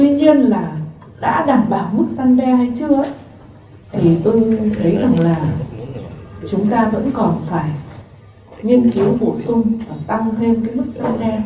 tuy nhiên là đã đảm bảo mức gian đe hay chưa thì tôi thấy rằng là chúng ta vẫn còn phải nghiên cứu bổ sung và tăng thêm mức gian đe